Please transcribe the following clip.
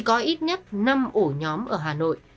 có ít nhất năm ổ nhóm ở hà nội